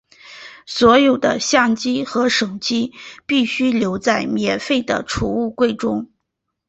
所有的相机和手机必须留在免费的储物柜中。